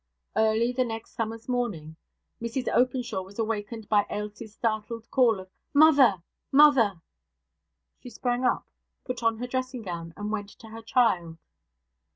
Early the next summer's morning, Mrs Openshaw was awakened by Ailsie's startled call of 'Mother! mother!' She sprang up, put on her dressing gown, and went to her child.